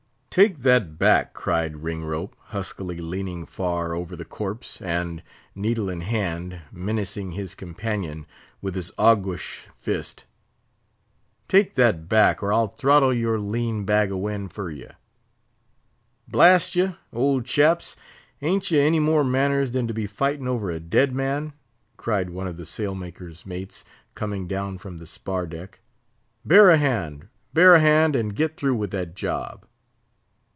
"Take that back!" cried Ringrope, huskily, leaning far over the corpse, and, needle in hand, menacing his companion with his aguish fist. "Take that back, or I'll throttle your lean bag of wind fer ye!" "Blast ye! old chaps, ain't ye any more manners than to be fighting over a dead man?" cried one of the sail maker's mates, coming down from the spar deck. "Bear a hand!—bear a hand! and get through with that job!"